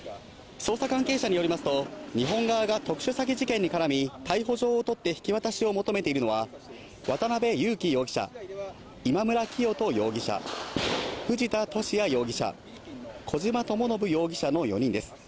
捜査関係者によりますと、日本側が特殊詐欺事件に絡み逮捕状を取って引き渡しを求めているのは、渡辺優樹容疑者、今村磨人容疑者、藤田聖也容疑者、小島智信容疑者の４人です。